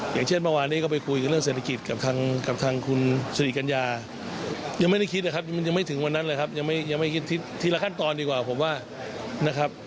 อย่างเช่นเมื่อวานนี้ก็ไปคุยกันเรื่องเศรษฐกิจกับทางคุณสิริกัญญายังไม่ได้คิดนะครับมันยังไม่ถึงวันนั้นเลยครับยังไม่คิดทีละขั้นตอนดีกว่าผมว่านะครับ